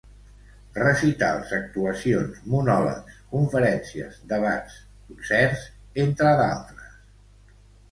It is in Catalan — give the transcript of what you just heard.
Recitals, actuacions, monòlegs, conferències, debats, concerts, entre d'altres.